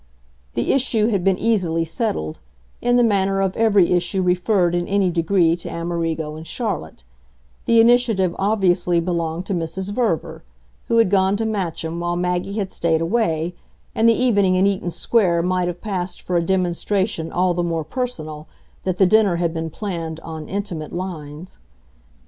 The issue had been easily settled in the manner of every issue referred in any degree to Amerigo and Charlotte: the initiative obviously belonged to Mrs. Verver, who had gone to Matcham while Maggie had stayed away, and the evening in Eaton Square might have passed for a demonstration all the more personal that the dinner had been planned on "intimate" lines.